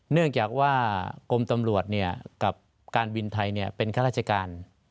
เนื่องจากว่ากรมตำรวจกับการบินไทยเป็นข้าราชการ